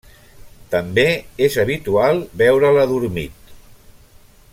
També és habitual veure'l adormit.